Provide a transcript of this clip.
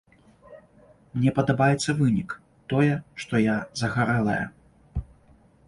Мне падабаецца вынік, тое, што я загарэлая.